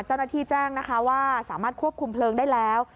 เจ้าหน้าที่แจ้งนะคะว่าสามารถควบคุมเพลิงได้แล้ว